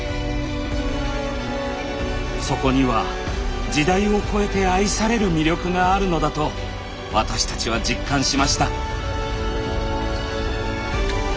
そこには時代を超えて愛される魅力があるのだと私たちは実感しました。